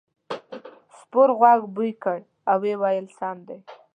سپور غوږ بوی کړ او وویل سم دی.